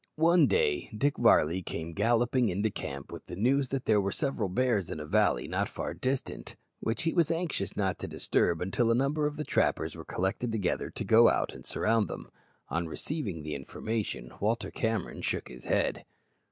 One day Dick Varley came galloping into camp with the news that there were several bears in a valley not far distant, which he was anxious not to disturb until a number of the trappers were collected together to go out and surround them. On receiving the information, Walter Cameron shook his head.